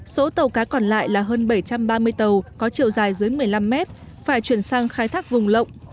số tàu cá còn lại là hơn bảy trăm ba mươi tàu có chiều dài dưới một mươi năm mét phải chuyển sang khai thác vùng lộng